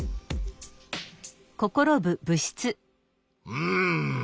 うん。